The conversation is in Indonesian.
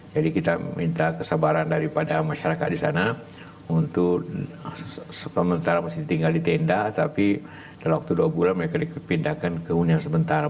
jadi kita minta kesabaran daripada masyarakat di sana untuk sementara masih tinggal di tenda tapi dalam waktu dua bulan mereka dipindahkan ke hunian sementara